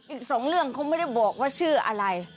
อีกสองเรื่องเขาไม่ได้บอกว่าชื่ออะไร